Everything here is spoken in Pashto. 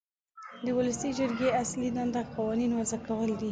د ولسي جرګې اصلي دنده قوانین وضع کول دي.